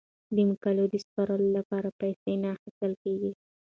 د مقالو د سپارلو لپاره پیسې نه اخیستل کیږي.